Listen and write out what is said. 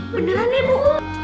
beneran ya bu